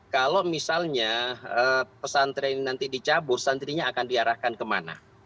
kalau misalnya pesantren ini nanti dicabut santrinya akan diarahkan kemana